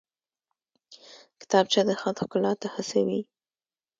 کتابچه د خط ښکلا ته هڅوي